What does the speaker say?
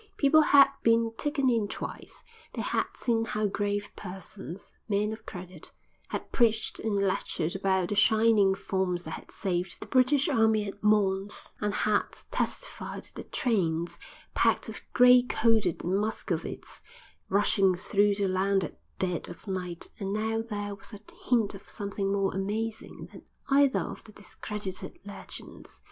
People had been taken in twice; they had seen how grave persons, men of credit, had preached and lectured about the shining forms that had saved the British Army at Mons, or had testified to the trains, packed with gray coated Muscovites, rushing through the land at dead of night: and now there was a hint of something more amazing than either of the discredited legends.